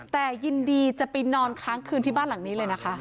แต่ยินดีจะไปนอนค้างคืนที่บ้านหลังนี้เลยนะคะ